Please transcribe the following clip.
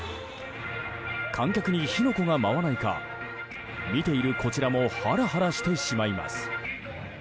観客に火の粉が舞わないか見ているこちらもハラハラしてしまいます。